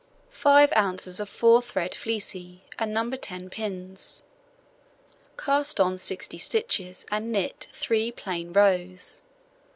Five ounces of four thread fleecy, and No. 10 pins. Cast on 60 stitches, and knit 3 plain rows.